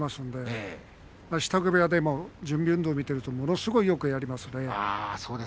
支度部屋でも準備運動を見ているとすごくよくやっていますね。